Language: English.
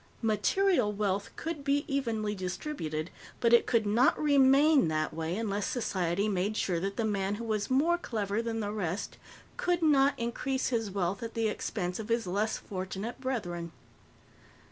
Material wealth could be evenly distributed, but it could not remain that way unless Society made sure that the man who was more clever than the rest could not increase his wealth at the expense of his less fortunate brethren.